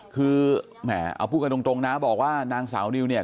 คือแหมเอาพูดกันตรงนะบอกว่านางสาวนิวเนี่ย